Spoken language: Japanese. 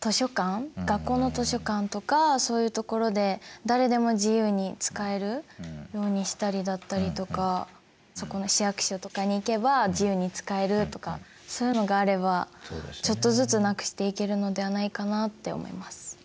学校の図書館とかそういうところで誰でも自由に使えるようにしたりだったりとかそこの市役所とかに行けば自由に使えるとかそういうのがあればちょっとずつなくしていけるのではないかなって思います。